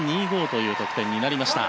１６９．２５という得点になりました。